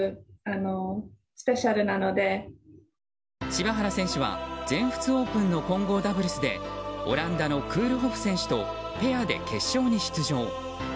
柴原選手は全仏オープンの混合ダブルスでオランダのクールホフ選手とペアで決勝に出場。